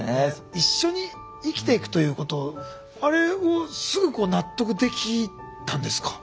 一緒に生きていくということあれはすぐ納得できたんですか？